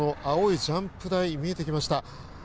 青いジャンプ台が見えてきました。